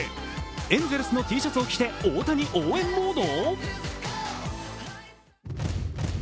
エンゼルスのＴシャツを着て大谷応援モード？